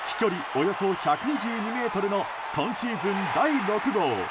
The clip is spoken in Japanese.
およそ１２２ｍの今シーズン第６号。